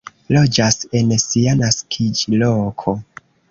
Loĝas en sia naskiĝloko.